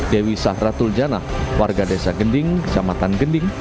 dewi sahratul jana warga desa gending samatan gending